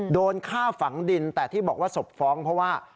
โดนฆ่าฝังดินแต่ที่บอกว่าศพฟ้องเพราะว่า